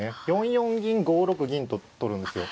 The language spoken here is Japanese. ４四銀５六銀と取るんですよ。